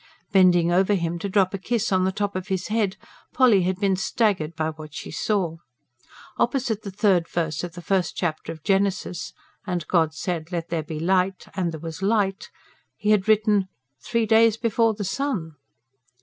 Bending over him to drop a kiss on the top of his head, Polly had been staggered by what she saw. Opposite the third verse of the first chapter of Genesis: "And God said, Let there be light: and there was light," he had written: "Three days before the sun!"